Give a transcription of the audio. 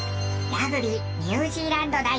ラグビーニュージーランド代表